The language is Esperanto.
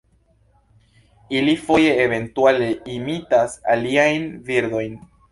Ili foje eventuale imitas aliajn birdojn.